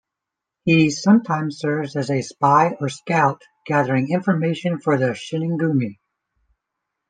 He sometimes serves as a spy or scout, gathering information for the Shinsengumi.